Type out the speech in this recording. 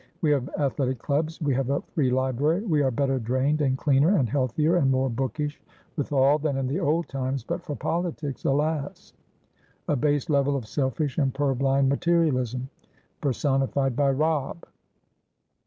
We have athletic clubs, we have a free library, we are better drained and cleaner and healthier and more bookish, withal, than in the old times; but for politicsalas! A base level of selfish and purblind materialismpersonified by Robb!"